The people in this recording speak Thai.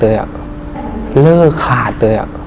ผลหรือคาด